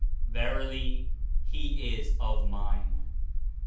Verily, he is of Mine.